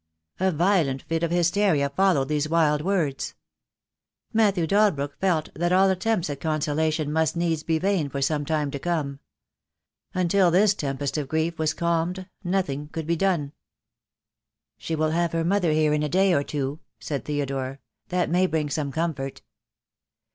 A violent fit of hysteria followed these wild words. Matthew Dalbrook felt that all attempts at consolation must needs be vain for some time to come. Until this tempest of grief was calmed nothing could be done. "She will have her mother here in a day or two," said Theodore. "That may bring some comfort."